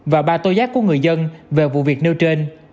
và ba tô giác của người dân về vụ việc nêu trên